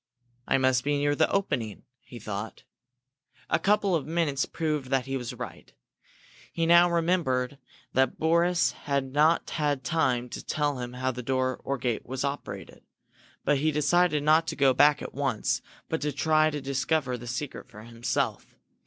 "I must be near the opening," he thought. A couple of minutes proved that he was right. He now remembered that Boris had not had time to tell him how the door or gate was operated. But he decided not to go back at once, but to try to discover the secret for himself.